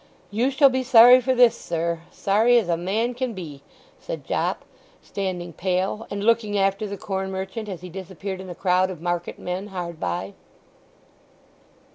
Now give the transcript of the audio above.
"You shall be sorry for this, sir; sorry as a man can be!" said Jopp, standing pale, and looking after the corn merchant as he disappeared in the crowd of market men hard by.